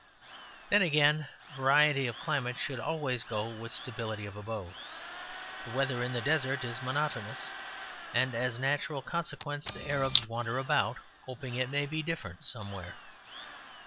Then, again, variety of climate should always go with stability of abode. The weather in the desert is monotonous; and as a natural consequence the Arabs wander about, hoping it may be different somewhere.